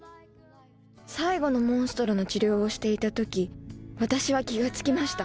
最後のモンストロの治療をしていた時私は気が付きました